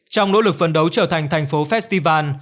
trong nỗ lực phấn đấu trở thành thành phố festival